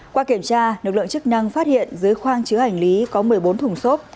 qua kiểm tra lực lượng chức năng phát hiện dưới khoang chứa hành lý có một mươi bốn thùng xốp